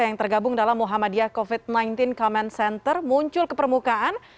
yang tergabung dalam muhammadiyah covid sembilan belas command center muncul ke permukaan